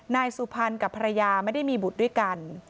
นายสุพรรณกับภรรยาไม่ได้มีบุตรด้วยกัน